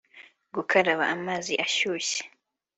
gukaraba amazi ashyushye